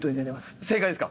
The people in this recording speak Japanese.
正解ですか？